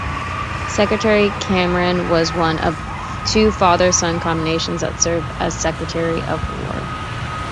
Secretary Cameron was one of two father-son combinations that served as Secretary of War.